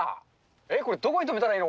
えっ、これ、どこに止めたらいいの？